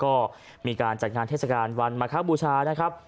ก็มีการจัดงานเทศกาลวันมะครับบูชานะครับ